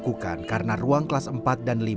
keadaan yang seperti ini